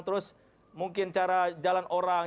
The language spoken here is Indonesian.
terus mungkin cara jalan orang